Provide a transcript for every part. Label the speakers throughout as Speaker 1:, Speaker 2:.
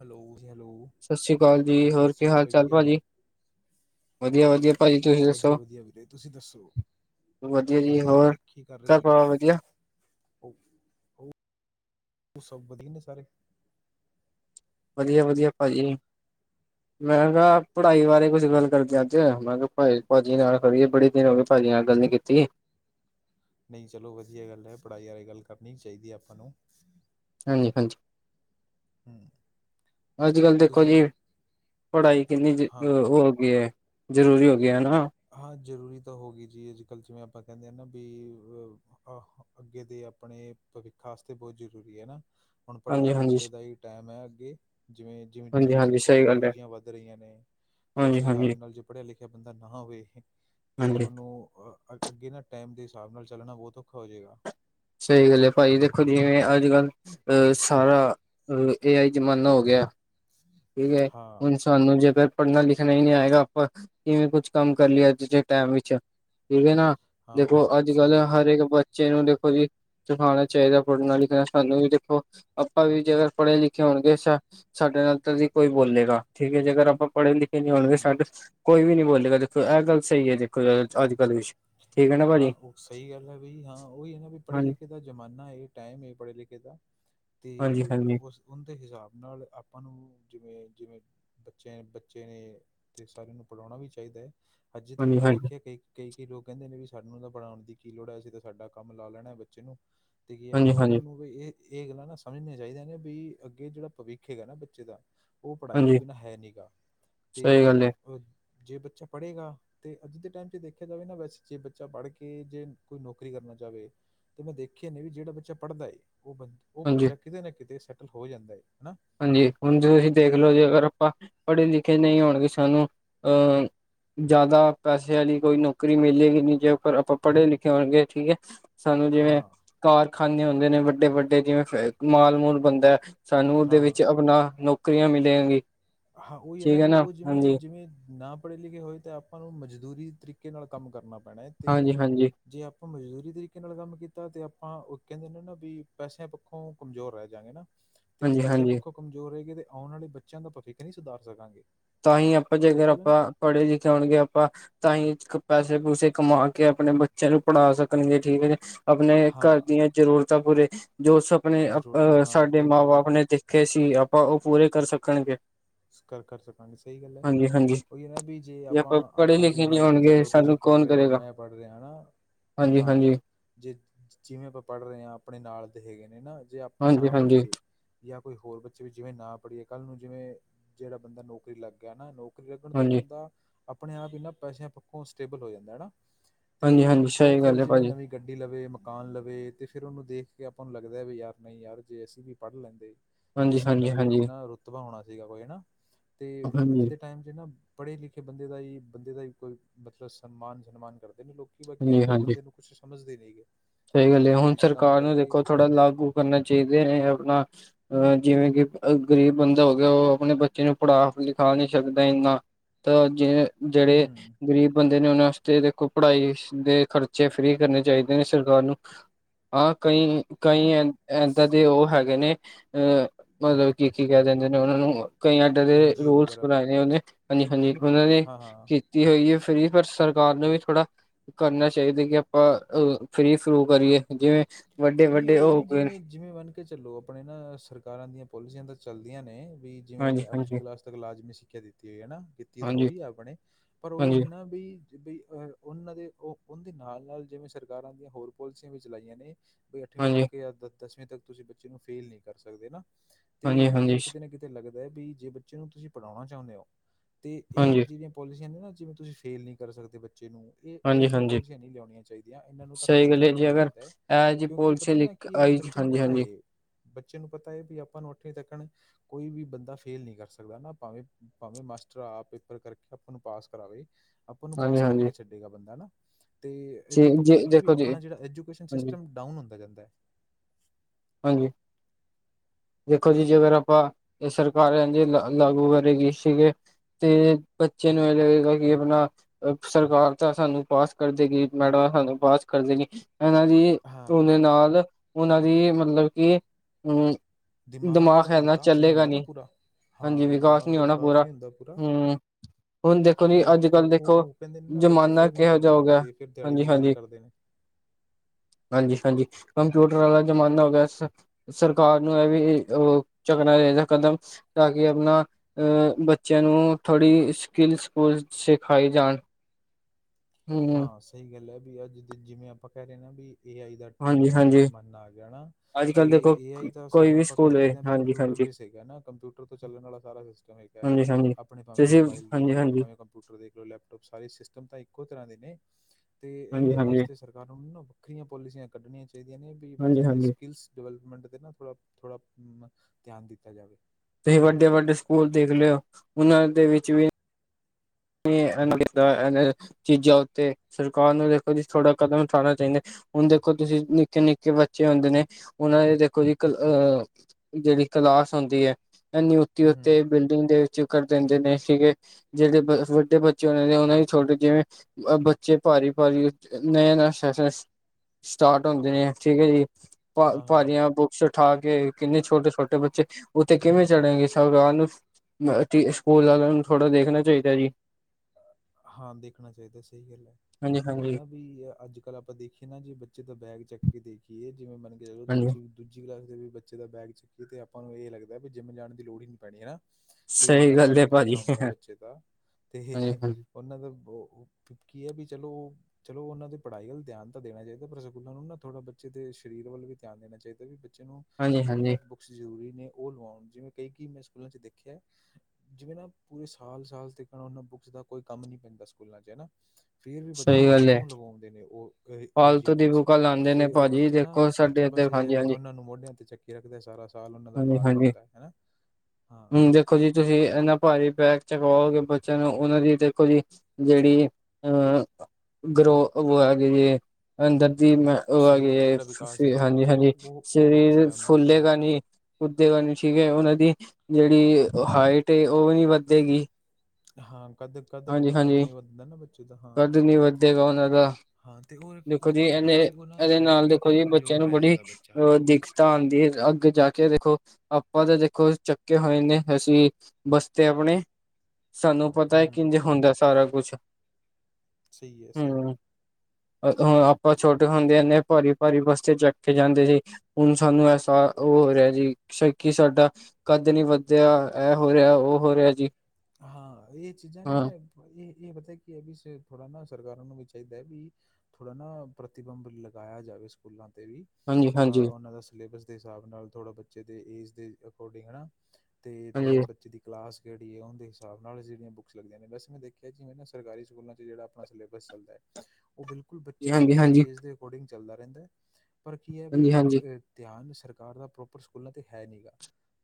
Speaker 1: Hello ਜੀ, hello
Speaker 2: ਸਸੀਕਾਲ ਜੀ,
Speaker 1: ਹਾਂਜੀ ਸਤਿ
Speaker 2: ਹੋਰ
Speaker 1: ਸ਼੍ਰੀ
Speaker 2: ਕੀ
Speaker 1: ਅਕਾਲ
Speaker 2: ਹਾਲ
Speaker 1: ਬਾਈ
Speaker 2: ਚਾਲ
Speaker 1: ਨੇ
Speaker 2: ਭਾਜੀ? ਵਧੀਆ- ਵਧੀਆ ਭਾਜੀ ਤੁਸੀਂ ਦੱਸੋ?
Speaker 1: ਵਧੀਆ ਵਧੀਆ ਵੀਰੇ ਤੁਸੀਂ ਦੱਸੋ
Speaker 2: ਵਧੀਆ ਜੀ, ਹੋਰ
Speaker 1: ਕੀ ਕਰ ਰਹੇ
Speaker 2: ਘਰ
Speaker 1: ਸੀਗੇ
Speaker 2: ਪਰਿਵਾਰ ਵਧੀਆ
Speaker 1: ਉਹ- ਉਹ ਸਭ ਵਧੀਆ ਨੇ ਸਾਰੇ
Speaker 2: ਵਧੀਆ- ਵਧੀਆ ਭਾਜੀ ਮੈਂ ਕਿਹਾ ਪੜ੍ਹਾਈ ਬਾਰੇ ਕੁਛ ਗੱਲ
Speaker 1: ਚਲੋ
Speaker 2: ਕਰਦੇ ਅੱਜ ਮੈਂ ਭਾ ਭਾਜੀ ਨਾਲ ਖੜੀਏ, ਬੜੇ ਦਿਨ ਹੋ ਗਏ ਭਾਜੀ ਨਾਲ, ਗੱਲ ਨਈ ਕੀਤੀ
Speaker 1: ਨਈ ਚਲੋ ਵਧੀਆ ਗੱਲ ਆ, ਪੜ੍ਹਾਈ ਅੱਜ-ਕੱਲ ਕਰਨੀ ਚਾਹੀਦੀ ਆਪਾਂ ਨੂੰ
Speaker 2: ਹਾਂਜੀ-ਹਾਂਜੀ
Speaker 1: ਹੂੰ।
Speaker 2: ਅੱਜ-ਕੱਲ ਦੇਖੋ
Speaker 1: ਤੁਸੀਂ
Speaker 2: ਜੀ,
Speaker 1: ਕੀ
Speaker 2: ਪੜ੍ਹਾਈ ਕਿੰਨੀ ਜ
Speaker 1: ਹਾਂ
Speaker 2: ਹੋ ਗਈ ਐ ਜ਼ਰੂਰੀ ਹੋ ਗਈ ਹਨਾ
Speaker 1: ਹਾਂ ਜ਼ਰੂਰੀ ਤਾਂ ਹੋ ਗਈ ਜੀ, ਅੱਜ-ਕੱਲ ਜਿਵੇਂ ਆਪਾਂ ਕਹਿੰਦੇ ਆ ਨਾ ਵੀ ਅ ਆਹ ਅੱਗੇ ਦੇ ਆਪਣੇ, ਭਵਿੱਖ ਆਸਤੇ ਬਹੁਤ ਜਰੂਰੀ ਆ ਨਾ ਹੁਣ ਪੜ੍ਹੇ
Speaker 2: ਹਾਂਜੀ
Speaker 1: ਲਿਖੇ
Speaker 2: ਹਾਂਜੀ
Speaker 1: ਬੰਦੇ ਦਾ ਹੀ, ਟਾਈਮ ਆ ਅੱਗੇ ਜਿਵੇਂ ਜਿਵੇਂ
Speaker 2: ਹਾਂਜੀ ਹਾਂਜੀ
Speaker 1: ਜਿਵੇਂ-ਜਿਵੇਂ
Speaker 2: ਸਹੀ ਗੱਲ ਹੈ,
Speaker 1: ਟੈਕਨੋਲੋਜੀਆਂ ਵੱਧ ਰਹੀਆਂ ਨੇ, ਉਸ
Speaker 2: ਹਾਂਜੀ
Speaker 1: ਹਿਸਾਬ
Speaker 2: ਹਾਂਜੀ
Speaker 1: ਨਾਲ, ਜੇ ਪੜ੍ਹਿਆ ਲਿਖਿਆ ਬੰਦਾ ਨਾ ਹੋਵੇ ਤੇ,
Speaker 2: ਹਾਂਜੀ।
Speaker 1: ਉਹਨੂੰ ਅ ਅੱਗੇ ਨਾ ਟਾਈਮ ਦੇ ਹਿਸਾਬ ਨਾਲ, ਚੱਲਣਾ ਬਹੁਤ ਔਖਾ ਹੋ ਜਾਏਗਾ
Speaker 2: ਸਹੀ ਗੱਲ ਏ, ਭਾਜੀ ਦੇਖੋ ਜਿਵੇਂ ਅੱਜ-ਕੱਲ੍ਹ ਅਹ ਸਾਰਾ ਏ ਆਈ ਜ਼ਮਾਨਾ ਹੋ ਗਿਆ ਠੀਕ ਏ, ਹੁਨ
Speaker 1: ਹਾਂ
Speaker 2: ਸਾਨੂੰ ਜ਼ੇਕਰ ਪੜ੍ਹਨਾ-ਲਿਖਣਾ ਈ ਨੀ ਆਏਗਾ ਆਪਾਂ ਕਿਵੇਂ ਕੁਛ ਕੰਮ ਕਰ ਲਈਏ ਅੱਜ ਦੇ ਟੈਮ ਇਚ, ਠੀਕ ਏ ਨਾਂ।
Speaker 1: ਹਾਂ
Speaker 2: ਦੇਖੋ
Speaker 1: ਉਹ
Speaker 2: ਅੱਜ-ਕੱਲ
Speaker 1: ਸਹੀ ਗੱਲ ਹੈ
Speaker 2: ਹਰੇਕ ਬੱਚੇ ਨੂੰ ਦੇਖੋ ਜੀ ਸਿਖਾਉਣਾ ਚਾਈਦਾ ਪੜ੍ਹਨਾ-ਲਿਖਣਾ ਸਾਨੂੰ ਵੀ ਦੇਖੋ, ਆਪਾਂ ਵੀ ਜੇਕਰ ਪੜ੍ਹੇ-ਲਿਖੇ ਹੋਣਗੇ ਸਾਡੇ ਨਾਲ ਤਦ ਈ ਕੋਈ ਬੋਲੇਗਾ, ਠੀਕ ਏ ਜੇਕਰ ਆਪਾਂ ਪੜ੍ਹੇ-ਲਿਖੇ ਨਈ
Speaker 1: ਹੂੰ
Speaker 2: ਹੋਣਗੇ
Speaker 1: ਹੂੰ
Speaker 2: ਸਾਡੇ, ਕੋਈ ਵੀ ਨੀਂ ਬੋਲੇਗਾ ਦੇਖੋ ਐ ਗੱਲ ਸਈ ਐ ਦੇਖੋ ਅੱਜ-ਕੱਲ੍ਹ ਵਿੱਚ। ਠੀਕ ਹੈ ਨਾ
Speaker 1: ਹਾਂ
Speaker 2: ਭਾਜੀ
Speaker 1: ਓ ਸਈ ਗੱਲ ਐ ਬਈ, ਹਾਂ ਓਹੀ ਹੈ ਨਾਂ ਵੀ
Speaker 2: ਹਾਂਜੀ
Speaker 1: ਪੜ੍ਹੇ-ਲਿਖੇ ਦਾ ਜ਼ਮਾਨਾ ਏ, ਟਾਈਮ ਏ ਪੜ੍ਹੇ-ਲਿਖੇ ਦਾ
Speaker 2: ਹਾਂਜੀ
Speaker 1: ਤੇ
Speaker 2: ਹਾਂਜੀ
Speaker 1: ਉਸ ਓਂਦੇ ਹਿਸਾਬ ਨਾਲ ਆਪਾਂ ਨੂੰ ਜਿਵੇਂ-ਜਿਵੇਂ ਬੱਚੇ, ਬੱਚੇ ਨੇਂ ਤੇ ਸਭ ਨੂੰ ਪੜ੍ਹਾਉਣਾ ਵੀ ਚਾਈਦਾ ਏ, ਅਜੇ ਤੱਕ
Speaker 2: ਹਾਂਜੀ
Speaker 1: ਮੈਂ ਦੇਖਿਆ
Speaker 2: ਹਾਂਜੀ
Speaker 1: ਕ ਕਈ ਲੋਕ ਕੈਂਦੇ ਨੇਂ ਵੀ ਸਾਨੂੰ ਤਾਂ ਪੜ੍ਹਾਉਣ ਦੀ ਕੀ ਲੋੜ ਐ ਅਸੀਂ ਤਾਂ ਸਾਡਾ ਕੰਮ ਲਾ ਲੈਣਾ ਬੱਚੇ ਨੂੰ ਤੇ ਕੀ ਏ ਪਰ ਓਨਾਂ
Speaker 2: ਹਾਂਜੀ
Speaker 1: ਨੂੰ ਵੀ ਏ, ਏ ਗੱਲਾਂ ਨਾ ਸਮਝਣੀਆਂ ਚਾਈਦੀਆਂ ਨੇਂ ਵੀ ਅੱਗੇ ਜੇੜਾ ਭਵਿੱਖ ਹੈਗਾ ਨਾਂ ਬੱਚੇ ਦਾ ਓ ਪੜ੍ਹਾਈ ਤੋਂ
Speaker 2: ਹਾਂਜੀ
Speaker 1: ਬਿਨਾਂ ਹੈ ਨੀ ਗਾ,
Speaker 2: ਸਹੀ
Speaker 1: ਤੇ
Speaker 2: ਗੱਲ ਹੈ
Speaker 1: ਅਹ ਜੇ ਬੱਚਾ ਪੜ੍ਹੇਗਾ ਤੇ ਅੱਜ ਦੇ ਟੈਮ ਚ ਦੇਖ ਦੇਖਿਆ ਜਾਵੇ ਨਾਂ ਵੈਸੇ ਜੇ ਬੱਚਾ ਪੜ੍ਹ ਕੇ ਜੇ ਕੋਈ ਨੌਕਰੀ ਕਰਨਾ ਚਾਵੇ ਤੇ ਮੈਂ ਦੇਖਿਆ ਨੇ ਵੀ ਜੇੜਾ ਬੱਚਾ ਪੜ੍ਹਦਾ ਏ ਓ ਬ- ਓ
Speaker 2: ਹਾਂਜੀ
Speaker 1: ਬੱਚਾ ਕਿਤੇ ਨਾ ਕਿਤੇ ਸੈਟਲ ਹੋ ਜਾਂਦਾ ਏ। ਹਨਾ
Speaker 2: ਹਾਂਜੀ, ਹੁਣ ਤੁਸੀਂ
Speaker 1: ਤੇ
Speaker 2: ਦੇਖ ਲਓ ਜੇ ਅਗਰ ਆਪਾਂ ਪੜ੍ਹੇ ਲਿਖੇ ਨਈ ਹੋਣਗੇ ਸਾਨੂੰ ਅ ਜਾਦਾ ਪੈਸੇ ਆਲੀ ਕੋਈ ਨੌਕਰੀ ਮਿਲੇਗੀ ਨੀ ਜੇਪਰ ਆਪਾਂ ਪੜ੍ਹੇ-ਲਿਖੇ ਹੋਣਗੇ ਠੀਕ ਏ ਸਾਨੂੰ ਜਿਵੇਂ
Speaker 1: ਹਾਂ,
Speaker 2: ਕਾਰਖਾਨੇ ਹੁੰਦੇ ਨੇ ਵੱਡੇ-ਵੱਡੇ ਜਿਵੇਂ ਫ ਮਾਲ- ਮੂਲ ਬਨਦੈ ਸਾਨੂੰ ਉਦੇ
Speaker 1: ਹਾਂ,
Speaker 2: ਵਿੱਚ
Speaker 1: ਹਾਂ।
Speaker 2: ਅਪਨਾ ਨੌਕਰੀਆਂ ਮਿਲੇਗੀ।
Speaker 1: ਹਾਂ, ਓਈ ਐ ਨਾਂ
Speaker 2: ਠੀਕ ਹੈ
Speaker 1: ਵੀ
Speaker 2: ਨਾ
Speaker 1: ਓ ਜਿਵੇਂ,
Speaker 2: ਹਾਂਜੀ
Speaker 1: ਜਿਵੇਂ ਨਾਂ ਪੜ੍ਹੇ ਲਿਖੇ ਹੋਏ ਤੇ ਆਪਾਂ ਨੂੰ ਮਜ਼ਦੂਰੀ ਤਰੀ ਤਰੀਕੇ ਨਾਲ ਕੰਮ ਕਰਨਾ ਪੈਣਾ ਤੇ
Speaker 2: ਹਾਂਜੀ ਹਾਂਜੀ
Speaker 1: ਜੇ ਆਪਾਂ ਮਜ਼ਦੂਰੀ ਤਰੀਕੇ ਨਾਲ ਕੰਮ ਕੀਤਾ ਤੇ ਆਪਾਂ ਓ ਕਰਨ ਨੇ ਨਾਂ ਵੀ ਪੈਸੇ ਪੱਖੋ ਕਮਜ਼ੋਰ ਰੈ ਜਾਂਗੇ ਨਾਂ ਤੇ ਜੇ
Speaker 2: ਹਾਂਜੀ
Speaker 1: ਪੈਸਿਆਂ
Speaker 2: ਹਾਂਜੀ
Speaker 1: ਪੱਖੋਂ ਕਮਜ਼ੋਰ ਰੈ ਗੇ ਤੇ ਆਉਣ ਆਲੇ ਬੱਚਿਆਂ ਦਾ ਭਵਿੱਖ ਨੀ ਸੁਧਾਰ ਸਕਾਂਗੇ।
Speaker 2: ਤਾਂਈ ਆਪਾਂ ਜੇਕਰ
Speaker 1: ਸਹੀ ਗੱਲ ਹੈ ਨਾ
Speaker 2: ਆਪਾਂ ਪੜ੍ਹੇ ਲਿਖੇ ਹੋਣਗੇ ਆਪਾਂ ਤਾਂਈ ਪੈਸੇ- ਪੂਸੇ ਕਮਾ ਕੇ ਆਪਣੇ ਬੱਚਿਆਂ ਨੂੰ ਪੜ੍ਹਾ ਸਕਣਗੇ ਠੀਕ ਏ ਜੀ। ਅਪਣੇ ਘਰ
Speaker 1: ਹਾਂ
Speaker 2: ਦੀਆਂ ਜ਼ਰੂਰਤਾਂ ਪੂਰੇ, ਜੋ ਸਪਣੇ ਅਪ-
Speaker 1: ਜ਼ਰੂਰਤਾਂ
Speaker 2: ਅ
Speaker 1: ਹਾਂ
Speaker 2: ਸਾਡੇ
Speaker 1: ਉਹ
Speaker 2: ਮਾਂ
Speaker 1: ਗੱਲ ਹੈ
Speaker 2: ਬਾਪ ਨੇ ਦੇ ਦੇਖੇ ਸੀ, ਆਪਾਂ ਓ ਪੂਰੇ ਕਰ ਸਕਣਗੇ।
Speaker 1: ਕਰ-ਕਰ ਸਕਾਂਗੇ ਸਈ ਗੱਲ ਐ।
Speaker 2: ਹਾਂਜੀ ਹਾਂਜੀ
Speaker 1: ਓਈਓ ਨਾਂ ਵੀ ਜੇ
Speaker 2: ਪੜ੍ਹੇ
Speaker 1: ਆਪਾਂ ਜਿਵੇਂ
Speaker 2: ਲਿਖੇ ਨਹੀਂ
Speaker 1: ਮੰਨ ਕੇ
Speaker 2: ਹੋਣਗੇ
Speaker 1: ਚੱਲੋ ਤੁਸੀਂ ਪੜ੍ਹ ਰੇ ਓ, ਮੈਂ ਪੜ੍ਹ ਰਿਆ ਹਨਾਂ
Speaker 2: ਹਾਂਜੀ-ਹਾਂਜੀ।
Speaker 1: ਜੇ, ਜਿਵੇਂ ਆਪਾਂ ਪੜ੍ਹ ਰਏ ਆ ਅਪਣੇ ਨਾਲ ਦੇ ਹੈਗੇ ਨੇ ਨਾ, ਜੇ ਆਪਾਂ
Speaker 2: ਹਾਂਜੀ
Speaker 1: ਨਾ
Speaker 2: ਹਾਂਜੀ
Speaker 1: ਪੜ੍ਹੀਏ ਯਾਂ ਕੋਈ ਹੋਰ ਬੱਚੇ ਵੀ ਜਿਵੇਂ ਨਾ ਪੜ੍ਹੀਏ ਕੱਲ੍ਹ ਨੂੰ ਜਿਵੇਂ, ਜੇੜਾ ਬੰਦਾ ਨੌਕਰੀ ਲੱਗ ਗਿਆ ਨਾਂ ਨੌਕ ਨੌਕਰੀ ਲੱਗਣ ਤੋਂ
Speaker 2: ਹਾਂਜੀ
Speaker 1: ਬੰਦਾ ਅਪਣੇ ਆਪ ਈ ਨਾਂ ਪੈਸਿਆਂ ਪੱਖੋਂ ਸਟੇਬਲ ਹੋ ਜਾਂਦਾ ਹਨਾਂ।
Speaker 2: ਹਾਂਜੀ
Speaker 1: ਤੇ
Speaker 2: ਹਾਂਜੀ
Speaker 1: ਓ
Speaker 2: ਸਹੀ
Speaker 1: ਫਿਰ
Speaker 2: ਗੱਲ ਹੈ
Speaker 1: ਜਿਵੇਂ
Speaker 2: ਭਾਜੀ
Speaker 1: ਨਵੀਂ ਗੱਡੀ ਲਵੇ, ਮਕਾਨ ਲਵੇ ਤੇ ਫਿਰ ਓਨੂੰ ਦੇਖ ਕੇ ਆਪਾਂ ਨੂੰ ਲੱਗਦਾ ਵੀ ਯਾਰ ਨਈ ਯਾਰ ਜੇ ਅਸੀਂ ਵੀ ਪੜ੍ਹ ਲੈਂਦੇ ਤੇ
Speaker 2: ਹਾਂਜੀ
Speaker 1: ਸਾਡਾ
Speaker 2: ਹਾਂਜੀ
Speaker 1: ਵੀ
Speaker 2: ਹਾਂਜੀ
Speaker 1: ਅੱਜ ਨਾਂ ਰੁਤਬਾ ਹੋਣਾ ਸੀਗਾ ਕੋਈ ਹਣਾ ਤੇ
Speaker 2: ਹਾਂਜੀ
Speaker 1: ਅੱਜ ਦੇ
Speaker 2: ਹਾਂਜੀ
Speaker 1: ਟਾਈਮ ਚ ਨਾਂ ਪੜ੍ਹੇ ਲਿਖੇ ਬੰਦੇ ਦਾ ਈ, ਬੰਦੇ ਦਾ ਈ ਕੋਈ ਮਤਲਬ ਸਨਮਾਨ- ਸਨਮਾਨ ਕਰਦੇ ਨੇ ਲੋਕੀ, ਬਾਕੀ ਅਨਪੜ੍ਹ ਬੰਦੇ ਨੂੰ ਕੁਛ ਸਮਝਦੇ ਨੀ ਹੈਗੇ।
Speaker 2: ਸਈ ਗੱਲ ਏ, ਹੁਣ ਸਰਕਾਰ ਨੂੰ ਦੇਖੋ ਥੋੜਾ ਲਾਗੂ ਕਰਨਾ ਚਾਈਦਾ ਏ ਆਪਣਾ ਅ ਜਿਵੇਂ ਕਿ ਗ਼ਰੀਬ ਬੰਦਾ ਹੋ ਗਿਆ ਓ ਆਪਣੇ ਬੱਚੇ ਨੂੰ ਪੜ੍ਹਾ, ਲਿਖਾ ਨੀ ਸਕਦਾ ਇੰਨਾ ਤਾਂ ਜੇ
Speaker 1: ਹੂੰ
Speaker 2: ਜੇੜੇ
Speaker 1: ਹੂੰ
Speaker 2: ਗ਼ਰੀਬ ਬੰਦੇ ਨੇਂ ਉਨਾਂ ਆਸਤੇ ਦੇਖੋ ਪੜ੍ਹਾਈ ਦੇ ਖਰਚੇ ਫ੍ਰੀ ਕਰਨੇ ਚਾਈਦੇ ਨੇਂ ਸ ਸਰਕਾਰ ਨੂੰ, ਹਾਂ ਕਈ-ਕਈ
Speaker 1: ਹਾਂ
Speaker 2: ਐ ਇੱਦਾਂ ਦੇ ਉਹ ਹੈਗੇ ਨੇਂ ਅ ਮਤਲਬ ਕੀ ਕੀ ਕਹਿ ਦਿੰਦੇ ਨੇਂ ਉਹਨਾਂ ਨੂੰ। ਕਈ [unintelligible]
Speaker 1: ਐਨ
Speaker 2: ਦੇ
Speaker 1: ਜੀ ਓ
Speaker 2: ਰੂਲਸ
Speaker 1: ਵਗੈਰਾ
Speaker 2: ਬਣਾਏ ਨੇ ਉਹਨੇ ਹਾਂਜੀ ਹਾਂਜੀ ਉਹਨਾਂ ਨੇ
Speaker 1: ਹਾਂ ਹਾਂ
Speaker 2: ਕੀਤੀ ਹੋਈ ਐ ਫਰੀ ਪਰ ਸਰਕਾਰ ਨੂੰ ਵੀ ਥੋੜਾ ਕਰਨਾ ਚਾਹੀਦਾ ਕਿ ਆਪਾਂ ਔਹ ਫਰੀ ਫਰੂ ਕਰੀਏ ਜਿਵੇਂ ਵੱਡੇ
Speaker 1: ਨਹੀਂ
Speaker 2: ਵੱਡੇ
Speaker 1: ਉਹ ਹੈ
Speaker 2: ਹੋ
Speaker 1: ਨਾ
Speaker 2: ਗਏ ਨੇ।
Speaker 1: ਜਿਵੇਂ ਜਿਵੇਂ ਮੰਨ ਕੇ ਚੱਲੋ ਆਪਣੇ ਨਾ ਸਰਕਾਰਾਂ ਦੀਆਂ ਪੋਲਸੀਆਂ ਤਾਂ ਚੱਲਦੀਆਂ ਨੇ ਵੀ
Speaker 2: ਹਾਂਜੀ
Speaker 1: ਜਿਵੇਂ ਅੱਠਵੀਂ
Speaker 2: ਹਾਂਜੀ
Speaker 1: ਕਲਾਸ ਤੱਕ ਲਾਜ਼ਮੀ ਸਿੱਖਿਆ ਦਿੱਤੀ ਹੋਈ ਹੈਨਾ ਦਿੱਤੀ ਤਾਂ
Speaker 2: ਹਾਂਜੀ
Speaker 1: ਉਹੀ ਆਪਣੇ ਪਰ ਉਹੀ
Speaker 2: ਹਾਂਜੀ
Speaker 1: ਹੈਨਾ ਵਈ ਜੀ ਬਈ ਉਹਨਾਂ ਦੇ ਉਹ ਓਂਹਦੇ ਨਾਲ ਨਾਲ ਜਿਵੇਂ ਸਰਕਾਰਾਂ ਦੀਆਂ ਹੋਰ ਪੌਲਸੀਆਂ ਵੀ ਚਲਾਈਆਂ ਨੇ ਬਈ ਅੱਠਵੀਂ
Speaker 2: ਹਾਂਜੀ
Speaker 1: ਤੱਕ ਜਾਂ ਦਸਵੀਂ ਤੁਸੀਂ ਬੱਚੇ ਨੂੰ ਫੇਲ ਨੀ ਕਰ ਸਕਦੇ ਨਾ ਤੇ
Speaker 2: ਹਾਂਜੀ ਹਾਂਜੀ
Speaker 1: ਮੈਨੂੰ ਕਿਤੇ ਨਾ ਕਿਤੇ ਤੇ ਲੱਗਦਾ ਵੀ ਜੇ ਬੱਚੇ ਨੂੰ ਤੁਸੀਂ ਪੜ੍ਹਾਉਣਾ ਚਾਹੁੰਨੇ ਹੋ ਤੇ ਇਹ
Speaker 2: ਹਾਂਜੀ
Speaker 1: ਜਿਹੜੀਆਂ ਪੌਲਿਸੀ ਆਂਦੀ ਨਾ ਜਿਵੇਂ ਤੁਸੀਂ ਫੇਲ ਨੀ ਕਰ ਸਕਦੇ ਬੱਚੇ ਨੂੰ [unintelligible] ਇਹੋ
Speaker 2: ਹਾਂਜੀ
Speaker 1: ਜਿਹੀਆਂ
Speaker 2: ਹਾਂਜੀ
Speaker 1: ਪੌਲਿਸੀਆਂ ਨਹੀਂ ਲਿਆਉਣੀਆਂ ਚਾਹੀਦੀਆਂ ਇਹਨਾਂ ਨੂੰ ਤਾਂ
Speaker 2: ਸਹੀ
Speaker 1: ਖ਼ਤਮ
Speaker 2: ਗੱਲ ਹੈ
Speaker 1: ਕਰ
Speaker 2: ਜੀ
Speaker 1: ਦੇਣਾ
Speaker 2: ਅਗਰ
Speaker 1: ਚਾਹੀਦਾ ਏ।
Speaker 2: ਇਹ ਜੀ
Speaker 1: ਕਿਉਂਕਿ
Speaker 2: ਪੋਲਸੀ
Speaker 1: ਪਤਾ ਹੈ ਨਾ
Speaker 2: ਲਿਖ
Speaker 1: ਕੀ ਹੈ ਵੀ
Speaker 2: ਆਈ
Speaker 1: ਬੱਚੇ ਨੂੰ
Speaker 2: ਹਾਂਜੀ
Speaker 1: ਪਤਾ
Speaker 2: ਹਾਂਜੀ
Speaker 1: ਏ ਬੱਚੇ ਨੂੰ ਪਤਾ ਏ ਵੀ ਆਪਾਂ ਨੂੰ ਅੱਠਵੀਂ ਤੱਕਣ ਕੋਈ ਵੀ ਬੰਦਾ ਫੇਲ ਨੀਂ ਕਰ ਸਕਦਾ ਨਾ ਭਾਵੇਂ ਭਾਵੇਂ ਮਾਸਟਰ ਆਪ ਪੇਪਰ ਕਰਕੇ ਆਪਾਂ ਨੂੰ ਪਾਸ ਕਰਾਵੇ। ਆਪਾਂ ਨੂੰ
Speaker 2: ਹਾਂਜੀ
Speaker 1: ਪਾਸ
Speaker 2: ਹਾਂਜੀ
Speaker 1: ਕਰਕੇ ਛੱਡੇਗਾ ਬੰਦਾ ਨਾ ਤੇ
Speaker 2: ਜੀ
Speaker 1: ਇਹਦੇ ਪੱਖੋਂ
Speaker 2: ਜੀ
Speaker 1: ਕੀ ਹੈ ਵੀ
Speaker 2: ਦੇਖੋ ਜੀ
Speaker 1: ਆਪਣਾ ਜਿਹੜਾ ਐਜੂਕੇਸ਼ਨ ਸਿਸਟਮ
Speaker 2: ਹਾਂਜੀ
Speaker 1: ਡਾਊਨ ਹੁੰਦਾ ਜਾਂਦਾ।
Speaker 2: ਹਾਂਜੀ। ਵੇਖੋ ਜੀ ਜੇ ਅਗਰ ਆਪਾਂ ਇਹ ਸਰਕਾਰ [unintelligible] ਲਾਗੂ ਕਰੇਗੀ ਸੀਗੇ ਤੇ ਬੱਚੇ ਨੂੰ ਇਹ ਲੱਗੇਗਾ ਕਿ ਆਪਣਾ ਸਰਕਾਰ ਤਾਂ ਸਾਨੂੰ ਪਾਸ ਕਰ ਦੇਗੀ ਮੈਡਮਾਂ ਸਾਨੂੰ ਪਾਸ ਕਰ ਦੇਗੀ। ਹੈਨਾ ਜੀ
Speaker 1: ਹਾਂ
Speaker 2: ਉਹਦੇ ਨਾਲ਼ ਉਹਨਾਂ ਦੀ ਮਤਲਬ ਕਿ ਉ ਦਿਮਾਗ
Speaker 1: ਦਾ
Speaker 2: ਹੈਗਾ
Speaker 1: ਵਿਕਾਸ ਨਹੀਂ
Speaker 2: ਚੱਲੇਗਾ
Speaker 1: ਹੁੰਦਾ ਨਾ
Speaker 2: ਨੀ
Speaker 1: ਪੂਰਾ ਹਾਂ
Speaker 2: ਹਾਂਜੀ
Speaker 1: ਵੀ
Speaker 2: ਵਿਕਾਸ
Speaker 1: ਦਿਮਾਗ
Speaker 2: ਨੀ
Speaker 1: ਦਾ
Speaker 2: ਹੋਣਾ
Speaker 1: ਵਿਕਾਸ
Speaker 2: ਪੂਰਾ
Speaker 1: ਨਹੀਂ ਹੁੰਦਾ ਪੂਰਾ
Speaker 2: ਹਮ। ਹੁਣ ਦੇਖੋ ਜੀ
Speaker 1: ਉਹ
Speaker 2: ਅੱਜ ਕੱਲ੍ਹ
Speaker 1: ਉਹ ਉਹ
Speaker 2: ਦੇਖੋ
Speaker 1: ਉਹ ਕਹਿੰਦੇ ਨੇ ਨਾ ਬੱਚੇ
Speaker 2: ਜ਼ਮਾਨਾ
Speaker 1: ਫੇਰ ਨਹੀਂ
Speaker 2: ਕਿਹੋ ਜਿਹਾ ਹੋ
Speaker 1: ਪੜ੍ਹਦੇ
Speaker 2: ਗਿਆ
Speaker 1: ਤੇ ਫਿਰ ਦਿਹਾੜੀ
Speaker 2: ਹਾਂਜੀ
Speaker 1: ਮਜ਼ਦੂਰੀ
Speaker 2: ਹਾਂਜੀ।
Speaker 1: ਕਰਦੇ ਨੇ
Speaker 2: ਹਾਂਜੀ ਹਾਂਜੀ ਕੰਪਿਊਟਰ ਆਲਾ ਜ਼ਮਾਨਾ ਹੋ ਗਿਆ ਸ ਸਰਕਾਰ ਉਹਨੂੰ ਇਹ ਵੀ ਉਹ ਚੱਕਣਾ ਚਾਹੀਦਾ ਕਦਮ। ਤਾਂ ਕਿ ਆਪਣਾ ਅਹ ਬੱਚਿਆਂ ਨੂੰ ਥੋੜ੍ਹੀ ਸਕਿੱਲ ਸਕੁੱਲ ਸਿਖਾਈ ਜਾਣ। ਹੂੰ
Speaker 1: ਹਾਂ ਸਹੀ ਗੱਲ ਹੈ ਵੀ ਅੱਜ ਜਿਵੇਂ ਆਪਾਂ ਕਹਿ ਰਹੇ ਨਾ ਵੀ ਏ ਆਈ ਦਾ ਹਮ
Speaker 2: ਹਾਂਜੀ-ਹਾਂਜੀ
Speaker 1: ਜਮਾਨਾ ਆ ਗਿਆ ਹਨਾ
Speaker 2: ਅੱਜ
Speaker 1: ਤੇ
Speaker 2: ਕੱਲ੍ਹ ਦੇਖੋ
Speaker 1: ਏ ਆਈ ਦਾ
Speaker 2: ਕੋਈ
Speaker 1: ਸਾਰਾ
Speaker 2: ਵੀ
Speaker 1: ਆਪਾਂ ਕਹਿ
Speaker 2: ਸਕੂਲ ਏ
Speaker 1: ਸਕਦੇ ਹਾਂ ਵੀ ਕੰਪਿਊਟਰ
Speaker 2: ਹਾਂਜੀ-ਹਾਂਜੀ
Speaker 1: ਬੇਸ ਹੈਗਾ ਨਾ ਕੰਪਿਊਟਰ ਕੰਪਿਊਟਰ ਤੋਂ ਚੱਲਣ ਵਾਲਾ ਸਾਰਾ ਸਿਸਟਮ ਹੈਗਾ
Speaker 2: ਹਾਂਜੀ-ਹਾਂਜੀ
Speaker 1: ਆਪਣੇ ਭਾਵੇਂ
Speaker 2: ਤੁਸੀਂ
Speaker 1: ਮੋਬਾਈਲ ਦੇਖ ਲੋ
Speaker 2: ਹਾਂਜੀ-ਹਾਂਜੀ
Speaker 1: ਭਾਵੇਂ ਕੰਪਿਊ ਕੰਪਿਊਟਰ [unintelligible] ਲੈਪਟੌਪ ਸਾਰੇ ਸਿਸਟਮ ਤਾਂ ਇੱਕੋ ਤਰਾਂ ਦੇ ਨੇ ਤੇ ਏਂਹਦੇ
Speaker 2: ਹਾਂਜੀ-ਹਾਂਜੀ
Speaker 1: ਵਾਸਤੇ ਸਰਕਾਰ ਸਰਕਾਰ ਨੂੰ ਨਾ ਵੱਖਰੀਆਂ ਪੋਲਸੀਆਂ ਕੱਢਣੀਆਂ ਚਾਹੀਦੀਆਂ ਨੇ ਵੀ ਬੱਚਿਆਂ ਦੇ
Speaker 2: ਹਾਂਜੀ-ਹਾਂਜੀ
Speaker 1: ਸਕਿੱਲਸ ਡਿਵੈਲਪਮੈਂਟ ਤੇ ਨਾ ਥੋੜ੍ਹਾ ਥੋੜ੍ਹਾ ਮ ਧਿਆਨ [unintelligible] ਜਾਵੇ।
Speaker 2: ਤੇ ਵੱਡੇ ਵੱਡੇ ਸਕੂਲ ਦੇਖ ਲਿਓ ਉਹਨਾਂ ਦੇ ਵਿੱਚ ਵੀ [unintelligible] ਚੀਜ਼ਾਂ ਉੱਤੇ ਸਰਕਾਰ ਨੂੰ ਦੇਖੋ ਜੀ ਥੋੜਾ ਕਦਮ ਉਠਾਉਣਾ ਚਾਹੀਦਾ। ਹੁਣ ਦੇਖੋ ਤੁਸੀਂ ਨਿੱਕੇ ਨਿੱਕੇ ਬੱਚੇ ਹੁੰਦੇ ਨੇ ਉਹਨਾਂ ਦੇ ਦੇਖੋ ਜੀ ਕਲ ਅਹ ਜਿਹੜੀ ਕਲਾਸ ਹੁੰਦੀ ਐ [unintelligible]
Speaker 1: ਹੂੰ ਹੂੰ
Speaker 2: ਉੱਤੇ ਬਿਲਡਿੰਗ ਦੇ ਵਿੱਚ ਕਰ ਦਿੰਦੇ ਨੇ ਸੀਗੇ ਜਿਹੜੇ ਬਸ ਵੱਡੇ ਬੱਚੇ ਹੋਨਾਂ ਨੇ ਉਹਨਾਂ ਛੋਟੇ ਜਿਵੇਂ ਬੱਚੇ ਭਾਰੀ ਭਾਰੀ ਨੈ। [unintelligible] ਸਟਾਰਟ ਹੁੰਦੇ ਨੇ ਠੀਕ ਹੈ ਜੀ ਭ
Speaker 1: ਹਾਂ ਹਾਂ
Speaker 2: ਭਾਰੀਆਂ ਬੁ [unintelligible] ਕੇ ਕਿੰਨੇ ਛੋਟੇ ਛੋਟੇ ਬੱਚੇ ਉੱਥੇ ਕਿਵੇਂ ਚੜ੍ਹੇਗੇ ਸਰਕਾਰ ਨੂੰ [unintelligible] ਜੀ ਸਕੂਲ ਆਲਿਆਂ ਨੂੰ ਥੋੜ੍ਹਾ ਦੇਖਣਾ ਚਾਹੀਦਾ ਜੀ।
Speaker 1: ਹਾਂ ਦੇਖਣਾ ਚਾਹੀਦਾ ਸਹੀ ਗੱਲ
Speaker 2: ਹਾਂਜੀ
Speaker 1: ਉਹ
Speaker 2: ਹਾਂਜੀ
Speaker 1: ਨਾ ਵੀ ਅੱਜ ਕੱਲ੍ਹ ਆਪਾਂ ਦੇਖੀਏ ਨਾ ਜੇ ਬੱਚੇ ਦਾ ਬੈਗ ਚੱਕ ਕੇ ਦੇਖੀਏ ਜਿਵੇਂ ਮੰਨ ਕੇ ਚਲੋ
Speaker 2: ਹਾਂਜੀ
Speaker 1: ਦੂਜੀ ਦੂਜੀ ਕਲਾਸ ਦੇ ਬੱਚੇ ਦਾ ਬੈਗ ਚੁੱਕੀਏ ਤੇ ਆਪਾਂ ਨੂੰ ਇਹ ਲੱਗਦਾ ਵੀ ਜਿੰਮ ਜਾਣ ਦੀ ਲੋੜ ਹੀ ਨਹੀਂ ਪੈਣੀ ਹੈਨਾ?
Speaker 2: ਸਹੀ
Speaker 1: ਏਹਨਾਂ
Speaker 2: ਗੱਲ
Speaker 1: ਭਾਰਾ
Speaker 2: ਹੈ ਭਾਜੀ
Speaker 1: ਬਸਤਾ ਹੁੰਦਾ
Speaker 2: ਹਾਂਜੀ
Speaker 1: ਬੱਚੇ ਦਾ ਤੇ
Speaker 2: ਹਾਂਜੀ
Speaker 1: ਔਨਾ ਫਿਰ ਬੋਔ ਕੀ ਏ ਵੀ ਚਲੋ। ਚਲੋ ਉਹਨਾਂ ਦੀ ਪੜ੍ਹਾਈ ਵੱਲ ਧਿਆਨ ਤਾਂ ਦੇਨਾ ਚਾਹੀਦਾ। ਪਰ ਸਕੂਲਾਂ ਨੂੰ ਨਾ ਥੋੜ੍ਹਾ ਬੱਚੇ ਦੇ ਸਰੀਰ ਵੱਲ ਵੀ ਧਿਆਨ ਦੇਨਾ ਚਾਹੀਦਾਵੀ। ਬੱਚੇ ਨੂੰ
Speaker 2: ਹਾਂਜੀ
Speaker 1: ਕਿੰਨੀਆਂ
Speaker 2: ਹਾਂਜੀ
Speaker 1: 'ਕ ਬੁੱਕਸ ਜ਼ਰੂਰੀ ਨੇ ਔਹ ਲਵਾਨ ਜਿਵੇਂ ਕਈ ਕੀ ਮੈਂ ਸਕੂਲਾਂ 'ਚ ਦੇਖਿਆ ਵਾ ਜਿਵੇਂ ਨਾ ਪੂਰੇ ਸਾਲ ਸਾਲ ਦੇਖਨਾ ਉਹਨਾਂ ਬੁੱਕਸ ਦਾ ਕੰਮ ਨੀ ਪੈਂਦਾ ਸਕੂਲਾਂ ਚ ਹੈਨਾ। ਫੇਰ ਵੀ ਪਤਾ
Speaker 2: ਸਹੀ
Speaker 1: ਨੀ ਔਹ
Speaker 2: ਗੱਲ ਹੈ
Speaker 1: ਕਿਉਂ ਲਵਾਉਂਦੇ ਨੇਔਹ ਜੇੜੀ ਇਹੋ ਜਿਹੀਆਂ
Speaker 2: ਫਾਲਤੂ ਦੀ
Speaker 1: ਬੁੱਕਸ
Speaker 2: ਬੁੱਕਾਂ ਲਾਉਂਦੇ ਨੇ
Speaker 1: ਤੇ ਉਹ
Speaker 2: ਭਾਜੀ
Speaker 1: ਬੱਚਾ ਨਾ
Speaker 2: ਦੇਖੋ ਸਾਡੇ
Speaker 1: ਬੱਚਾ ਬਸ
Speaker 2: ਇੱਥੇ
Speaker 1: ਏਹ ਹੈ
Speaker 2: ਹਾਂਜੀ
Speaker 1: ਵੀ
Speaker 2: ਹਾਂਜੀ
Speaker 1: ਉਹਨਾਂ ਨੂੰ ਮੋਢਿਆਂ ਤੇ ਚੱਕ ਕੀ ਰੱਖਦਾ ਸਾਰਾ ਸਾਲ ਉਹਨਾਂ ਦਾ
Speaker 2: ਹਾਂਜੀ
Speaker 1: ਪਾਰਟ
Speaker 2: ਹਾਂਜੀ
Speaker 1: ਹੁੰਦਾ ਹੈਨਾ ਹਾਂ।
Speaker 2: ਹੁਣ ਦੇਖੋ ਜੀ ਤੁਸੀਂ ਇਨਾ ਭਾਰੀ ਬੈਗ ਚਕਵਾਓਗੇ ਬੱਚਿਆਂ ਨੂੰ, ਉਹਨਾਂ ਦੀ ਦੇਖੋ ਜੀ ਜੇੜੀ ਅ ਗਰੋਥ ਔਹ ਹੈਗੀ ਜੇ ਅੰਦਰ ਦੀ ਮੈਂ ਔਹ ਹੈਗੀ
Speaker 1: ਸਰੀਰਕ ਜਿਹੜਾ ਵਿਕਾਸ
Speaker 2: ਏ
Speaker 1: ਹੈਗਾ ਨਾ
Speaker 2: ਹਂਜੀ, ਹਂਜੀ
Speaker 1: ਉਹ ਉਹ ਉਹ ਰੁਕਦਾ
Speaker 2: ਸਰੀਰ
Speaker 1: ਹੈ ਉਹਦਾ ਹਾਂ
Speaker 2: ਫੁੱਲੇਗਾ ਨੀ ਕੁੱਦੇ ਗਾ ਨੀ ਠੀਕ ਐ, ਉਹਨਾਂ ਦੀ ਜੇੜੀ ਹਾਈਟ ਏਔਹ ਵੀ ਨੀ ਵੱਧੇਗੀ।
Speaker 1: ਹਾਂ ਕਦੇ ਕਦੇ
Speaker 2: ਹਂਜੀ, ਹਂਜੀ ਕੱਦ ਨੀ ਵਧੇਗਾ ਉਹਨਾਂ ਦਾ।
Speaker 1: ਹਾਂ ਤੇ ਔਹ
Speaker 2: ਦੇਖੋ ਜੀ ਇਹਨੇ, ਇਹਦੇ ਨਾਲ ਦੇਖੋ ਜੀ ਬੱਚਿਆਂ
Speaker 1: ਕਮਜ਼ੋਰ
Speaker 2: ਨੂੰ
Speaker 1: ਰਹਿ
Speaker 2: ਬੜੀ
Speaker 1: ਜਾਂਦਾ ਬੱਚਾ
Speaker 2: ਦਿੱਕਤ ਧਾਨ ਦੀ ਅੱਗੇ ਜਾ ਕੇ ਦੇਖੋ ਆਪਾਂ ਤਾਂ ਦੇਖੋ ਚੱਕੇ ਹੋਏ ਨੇ ਅਸੀਂ ਬਸਤੇਅਪਨੇ ਸਾਨੂੰ ਪਤਾ
Speaker 1: ਹੂੰ
Speaker 2: ਕਿੰਜ ਹੁੰਦਾ ਸਾਰਾ ਕੁਛ।
Speaker 1: ਸਹੀ ਹੈ, ਸਹੀ ਹੈ।
Speaker 2: ਐ ਆਪਾਂ ਛੋਟੇ ਹੁੰਦੇ ਐਨੇ ਭਾਰੀ -ਭਾਰੀ ਬਸਤੇ ਚੱਕਕੇ ਜਾਂਦੇ ਸੀ। ਹੁਨਸਾਨੂੰ ਅਸਾਸ ਔਹ ਹੋ ਆ ਜੀ ਸੇਕ ਈ ਸਾਡਾ ਕੱਦ ਨੀ ਵੱਧਿਆ ਐਹ ਹੋ ਰਿਹਾ, ਔਹ ਹੋ ਰਿਹਾ ਜੀ।
Speaker 1: ਹਾਂ ਏਹ ਚੀਜ਼ਾਂ ਨੇ
Speaker 2: ਹਾਂ
Speaker 1: ਏਹ, ਏਹ ਪਤਾ ਕੀ ਐ ਵੀ ਥੋੜਾ ਨਾ ਸਰਕਾਰਾਂ ਨੂੰ ਵੀ ਚਾਹੀਦਾ ਐ ਕੀ ਥੋੜ੍ਹਾ ਨਾ ਪ੍ਰਤੀਬੰਬ ਲਗਾਇਆ ਜਾਵੇ ਸਕੂਲਾਂ ਤੇ ਵੀ।
Speaker 2: ਹਾਂਜੀ
Speaker 1: ਥੋੜਾ
Speaker 2: ਹਾਂਜੀ
Speaker 1: ਉਹਨਾ ਦਾ ਸਿਲੇਬਸ ਦੇ ਹਿਸਾਬ ਨਾਲ ਥੋੜਾ ਬੱਚੇ ਦੇ ਏਜ ਦੇ ਅਕੋਡਿੰਗ ਹੈਨਾ। ਤੇ
Speaker 2: ਹਾਂਜੀ
Speaker 1: ਥੋੜਾ ਬੱਚੇ ਦੀ ਕਲਾਸ ਕਿਹੜੀ ਹੈ ਉਹਨੂੰ ਇਕ ਹਿਸਾਬ ਨਾਲ ਜੇੜੀਆਂ ਬੁੱਕਸ ਲੱਗਦੀ ਨੇ, ਵੈਸੇ ਮੈਂ ਦੇਖਿਆ ਜਿਵੇਂ ਨਾ ਸਰਕਾਰੀ ਸਕੂਲਾਂ 'ਚ ਜੇੜਾਅਪਨਾ ਸਿਲੇਬਸ ਚੱਲਦਾ ਐ। ਔਹ ਬਿਲਕੁੱਲ ਬੱਚੇ ਦੇ
Speaker 2: ਹਾਂਜੀ ਹਾਂਜੀ
Speaker 1: ਏਜ ਦੇ ਅਕੋਰਡਿੰਗ ਚੱਲਦਾ ਰੈਂਦਾ ਐ। ਪਰ ਕੀ ਐ
Speaker 2: ਹਾਂਜੀ ਹਾਂਜੀ
Speaker 1: ਭਈ ਧਿਆਨ ਸਰਕਾਰ ਦਾ ਪ੍ਰੋਪਰ ਸਕੂਲਾਂ ਤੇ ਹੈ ਨੀ ਗਾ।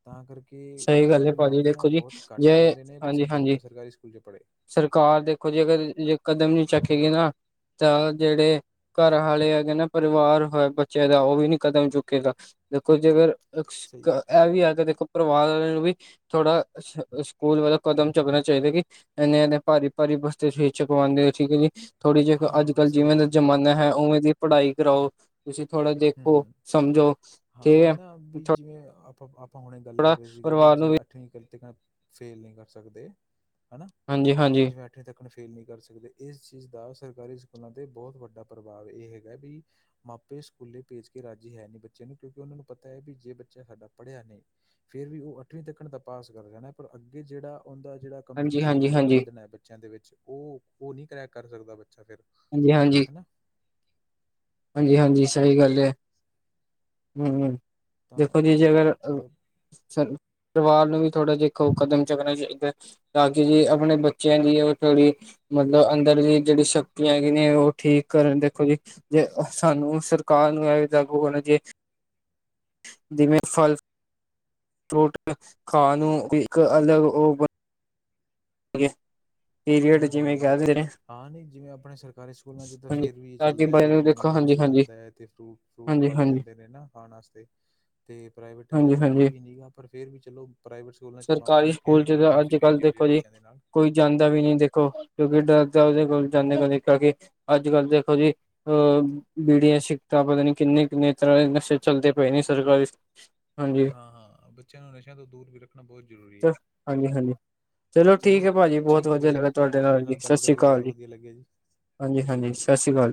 Speaker 1: ਤਾਂ ਕਰਕੇ
Speaker 2: ਸਹੀ ਗੱਲ
Speaker 1: ਕੋਈ
Speaker 2: ਹੈ
Speaker 1: ਵੀ
Speaker 2: ਭਾਜੀ
Speaker 1: ਮਾਪੇ ਨਾ
Speaker 2: ਦੇਖੋ ਜੀ
Speaker 1: ਬੋੱਤ ਘੱਟ
Speaker 2: ਜੇ
Speaker 1: ਚਾਹੁੰਦੇ ਨੇ ਵੀ
Speaker 2: ਹਾਂਜੀ
Speaker 1: ਸਾਡਾ
Speaker 2: ਹਾਂਜੀ
Speaker 1: ਬੱਚਾ ਸਰਕਾਰੀ ਸਕੂਲ 'ਚ ਪੜੇ।
Speaker 2: ਸਰਕਾਰ ਦੇਖੋ ਜੇ ਅਗਰ ਜੇ ਕਦਮ ਨੀ ਚੱਕੇਗੀ ਨਾ ਤਾਂ ਜੇੜੇ ਘਰ ਵਾਲੇ ਹੈਗੇ ਨਾ ਪਰਿਵਾਰ ਹੋਇਆ ਬੱਚੇ ਦਾ ਔਹ ਵੀ ਨੀ ਕਦਮ ਚੁੱਕੇਗਾ। ਦੇਖੋ ਜੇਕਰ ਇੱਕਸ਼
Speaker 1: ਸਹੀ ਹੈ।
Speaker 2: ਐਹ ਵੀ ਆਗਾ ਕਿ ਦੇਖੋ ਪਰਿਵਾਰ ਵਾਲੇ ਨੂੰ ਵੀ ਥੋੜਾ ਸ ਸਕੂਲ ਵੱਲੋਂ ਕਦਮ ਚੱਕਨਾ ਚਾਹੀਦਾ ਕਿ ਇਨੇ, ਇਨੇ, ਭਾਰੀ, ਭਾਰੀ ਬਸਤੇ ਫੇਰ ਚਕਵਾਉਂਦੇ ਔ ਠੀਕ ਐ ਜੀ। ਥੋੜ੍ਹੀ ਜਿਹੀ ਅੱਜ
Speaker 1: ਹਾਂ
Speaker 2: ਕੱਲ ਜਿਵੇਂ
Speaker 1: ਸਹੀ ਹੈ
Speaker 2: ਦਾ
Speaker 1: ਜੀ।
Speaker 2: ਜ਼ਮਾਨਾ ਹੈ ਔਵੇਂ ਦੀ ਪੜ੍ਹਾਈ ਕਰਾਔ। ਤੁਸੀਂ ਥੋੜਾ
Speaker 1: ਹੂੰ
Speaker 2: ਦੇਖੋ,
Speaker 1: ਹੂੰ।
Speaker 2: ਸਮਝੋ, ਏਮਸਭ।
Speaker 1: ਏਹ ਆਪਾਂ ਅਪ- ਆਪਾਂ ਹੁਨੇ ਗੱਲ ਕਰ ਰਹੇ ਸੀਗੇ। ਵਿੱਚ
Speaker 2: ਨੂੰ ਵੀ
Speaker 1: ਅੱਠਵੀਂ ਕਤੇ ਫੇਲ ਨਹੀਂ ਕਰ ਸਕਦੇ ਹੈਨਾ।
Speaker 2: ਹਂਜੀ, ਹਾਂਜੀ।
Speaker 1: ਜਿਵੇਂ ਅੱਠਵੀਂ ਤੱਕ ਨੂੰ ਫੇਲ ਨਹੀਂ ਕਰ ਸਕਦੇ। ਇਸ ਚੀਜ਼ ਦਾ ਸਰਕਾਰੀ ਸਕੂਲਾਂ 'ਤੇ ਬੋੱਤ ਵੱਡਾ ਪ੍ਰਭਾਵ ਏਹ ਹੈਗਾ ਜੀ ਮਾਪੇ ਸਕੂਲੇ ਭੇਜ ਕੇ ਰਾਜੀ ਹੈ ਨੀ ਬੱਚੇ ਨੂੰ। ਕਿਉਂਕਿ ਉਹਨਾਂ ਨੂੰ ਪਤਾ ਹੈ ਵੀ ਜੇ ਬੱਚਾ ਸਾਡਾ ਪੜ੍ਹਿਆ ਨਹੀਂ ਫੇਰ ਵੀ ਔਹ ਅੱਠਵੀਂ ਤਿਕੱਨ ਤਾਂ ਪਾਸ ਕਰ ਜਾਨਾ ਪਰ ਅੱਗੇ ਜੇੜਾ ਉਹਦਾ ਜੇੜਾ
Speaker 2: ਹਾਂਜੀ
Speaker 1: ਕੰਪੀਟੀਸ਼ਨ
Speaker 2: ਹਾਂਜੀ
Speaker 1: ਲੈਵਲ
Speaker 2: ਹਾਂਜੀ
Speaker 1: ਵੱਧਨਾ ਬੱਚਿਆਂ ਦੇ ਵਿੱਚ ਔਹ ਨਹੀਂ ਕਰੈਕ ਕਰ ਸਕਦਾ। ਬੱਚਾ ਫਿਰ
Speaker 2: ਹਾਂਜੀ-ਹਾਂਜੀ।
Speaker 1: ਹਨਾ
Speaker 2: ਹਾਂਜੀ-ਹਾਂਜੀ ਸਈ ਗੱਲ ਐ ਹੂੰ,
Speaker 1: ਤਾਂ
Speaker 2: ਦੇਖੋ ਜੀ ਜੇ ਅਗਰ
Speaker 1: ਥੋੜਾ
Speaker 2: ਸਾਨੂੰ ਪਰਿਵਾਰ ਨੂੰ ਵੀ ਥੋੜ੍ਹੇ ਦੇਖੋ, ਕਦਮ ਚੁੱਕਣੇ ਚਾਈਦੇ ਆ। ਤਾਂ ਕਿ ਜੇ ਆਪਣੇ ਬੱਚੇਆਂ ਦੀ ਓ ਥੋੜ੍ਹੀ ਮਤਲਬ ਅੰਦਰ ਦੀ ਜੇੜੀ ਸ਼ਕਤੀਆਂ ਹੈਗੀ ਨੇ, ਓਠੀਕ ਕਰਨ ਦੇਖੋ ਜੀ ਜੇ ਸਾਨੂੰ ਸਰਕਾਰ ਨੂੰ ਐਵੇਂ ਲਾਗੂ ਹੋਣਾ ਜੇ ਜਿਵੇਂ ਫਲ ਟੋਟਕੇ ਖਾਂ ਨੂੰ ਇੱਕ ਅਲੱਗ ਓ ਪੀਰੀਅਡ
Speaker 1: ਹੂੰ
Speaker 2: ਜਿਵੇਂ
Speaker 1: ਹੂੰ
Speaker 2: ਕੈ ਦੇ ਰਹੇ
Speaker 1: ਹਾਂ ਨਈ ਜਿਵੇਂ ਆਪਣੇ ਸਰਕਾਰੀ ਸਕੂਲਾਂ 'ਚ ਤਾਂ ਫੇਰ ਵੀ ਏ
Speaker 2: ਕਿ
Speaker 1: ਚੱਲਦਾ,
Speaker 2: ਬੱਚੇ
Speaker 1: ਵੀ
Speaker 2: ਨੂੰ
Speaker 1: ਜਿਵੇਂ
Speaker 2: ਦੇਖੋ
Speaker 1: ਮਿਡ-ਡੇ ਮੀਲ
Speaker 2: ਹਾਂਜੀ-ਹਾਂਜੀ,
Speaker 1: ਬਣਦਾ ਐ ਅਤੇ ਫਰੂਟ ਫਰੂਟ-ਫਲ
Speaker 2: ਹਾਂਜੀ-ਹਾਂਜੀ,
Speaker 1: ਦਿੰਦੇ ਨੇ, ਨਾ ਖਾਣ ਆਸਤੇ ਤੇ ਪ੍ਰਾਈਵੇਟਾਂ ਚ ਤਾਂ ਏ
Speaker 2: ਹਾਂਜੀ-ਹਾਂਜੀ।
Speaker 1: ਵੀ ਨੀ ਗਾ, ਪਰ ਫੇਰ ਵੀ ਚਲੋ ਪ੍ਰਾਈਵੇਟ ਸਕੂਲਾਂ ਚ ਮਾਪਿਆਂ
Speaker 2: ਸਰਕਾਰੀ
Speaker 1: ਨੂੰ ਕਿਆ
Speaker 2: ਸਕੂਲ ਚ
Speaker 1: ਜਾਂਦਾ ਵੀ
Speaker 2: ਤਾਂ
Speaker 1: ਤੁਸੀਂ
Speaker 2: ਅੱਜ ਕੱਲ੍ਹ
Speaker 1: ਭੇਜਿਓ ਜੇ
Speaker 2: ਦੇਖੋ ਜੀ
Speaker 1: ਬੱਚਿਆਂ ਦੇ ਨਾਲ
Speaker 2: ਕੋਈ ਜਾਂਦਾ ਵੀ ਨੀ ਦੇਖੋ, ਕਿਓਕੇ ਡਰ ਓਦੇ ਕੋਲ ਜਾਂਦੇ ਕਿ ਅੱਜ-ਕੱਲ ਦੇਖੋ ਜੀ [unintelligible] ਬੀੜੀਆਂ, ਸਿਗਟਾਂ ਪਤਾ ਨੀ ਕਿੰਨੇ-ਕਿੰਨੇ ਤਰ੍ਹਾਂ ਦੇ ਨਸ਼ੇ ਚੱਲਦੇ ਪਏ ਨੇ ਸਰਕਾਰੀ ਹਾਂਜੀ
Speaker 1: ਹਾਂ-ਹਾਂ, ਬੱਚਿਆਂ ਨੂੰ ਨਸ਼ਿਆਂ ਤੋਂ ਦੂਰ ਵੀ ਰੱਖਣਾ ਬੋਤ ਜ਼ਰੂਰੀ ਐ।
Speaker 2: ਹਾਂਜੀ ਹਾਂਜੀ ਚਲੋ ਠੀਕ ਐ ਭਾਜੀ ਬੋਤ ਵਧੀਆ ਲੱਗਾ ਤੁਹਾਡੇ ਨਾਲ ਜੀ,
Speaker 1: ਗੱਲ
Speaker 2: ਸਸ ਸੀ
Speaker 1: ਕਰਕੇ
Speaker 2: ਕਾਲ
Speaker 1: ਬਹੁਤ
Speaker 2: ਜੀ।
Speaker 1: ਵਧੀਆ ਲੱਗਿਆ ਜੀ ਸਤਿ ਸ਼੍ਰੀ
Speaker 2: ਹਾਂਜੀ-ਹਾਂਜੀ,
Speaker 1: ਅਕਾਲ ਜੀ
Speaker 2: ਸਸ ਸੀ ਕਾਲ।